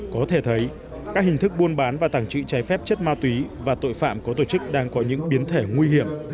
có thể thấy các hình thức buôn bán và tàng trữ trái phép chất ma túy và tội phạm có tổ chức đang có những biến thể nguy hiểm